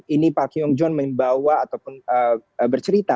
ini park hyung joon membawa ataupun bercerita